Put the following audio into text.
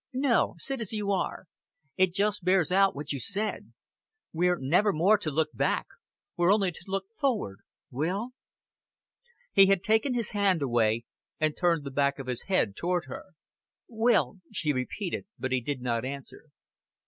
"No, sit as you are. It just bears out what you said. We're never more to look back. We're only to look forward. Will?" He had taken his hand away, and turned the back of his head toward her. "Will," she repeated; but he did not answer.